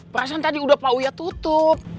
perasaan tadi udah paoya tutup